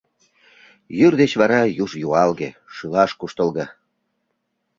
Йӱр деч вара юж юалге, шӱлаш куштылго.